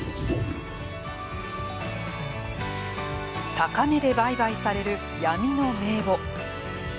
高値で売買される闇の名簿。